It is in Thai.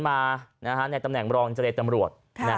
มาในตำแหน่งรองเจรตำรวจ